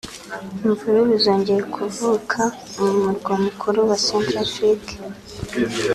Imvururu zongeye kuvuka mu murwa Mukuru wa Centre Afrique